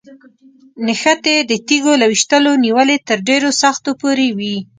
نښتې د تیږو له ویشتلو نیولې تر ډېرو سختو پورې وي.